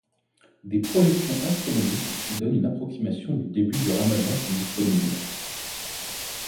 Des projections astronomiques qui donnent une approximation du début du ramadan sont disponibles.